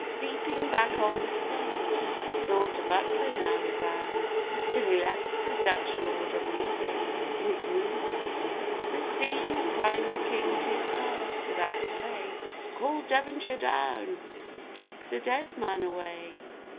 Leaping back on the stage, sword to buckler now resounds, Till he left the Dutch Lord a bleeding in his wounds: This seeing, cries the King to his guards without delay, 'Call Devonshire down,—take the dead man away!